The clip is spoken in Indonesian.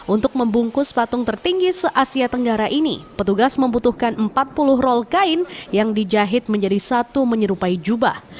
untuk membungkus patung tertinggi se asia tenggara ini petugas membutuhkan empat puluh rol kain yang dijahit menjadi satu menyerupai jubah